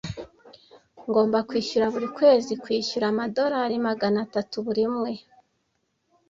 Ngomba kwishyura buri kwezi kwishyura amadorari magana atatu buri umwe.